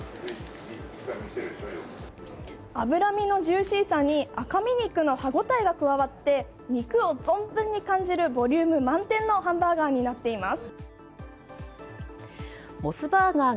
脂身のジューシーさに赤身肉の歯ごたえが加わって肉を存分に感じるボリューム満点のハンバーガーになっています。